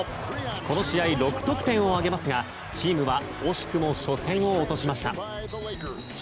この試合、６得点を挙げますがチームは惜しくも初戦を落としました。